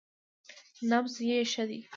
_نبض يې ښه دی.